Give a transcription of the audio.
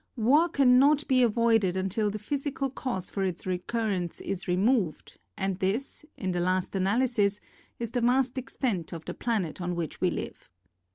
War can not be avoided until the physi cal cause for its recurrence is removed and this, in the last analysis, is the vast extent of the planet on which we live.